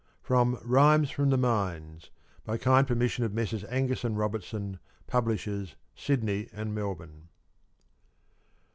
(_From "Rhymes from the Mines," by kind permission of Messrs. Angus and Robertson, Publishers, Sydney and Melbourne.